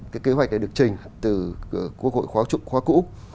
cái kế hoạch này được trình từ quốc hội khóa cụ